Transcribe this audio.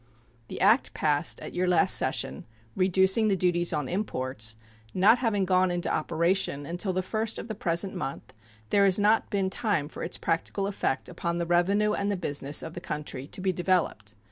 The act passed at your last session "reducing the duties on imports" not having gone into operation until the 1st of the present month, there has not been time for its practical effect upon the revenue and the business of the country to be developed.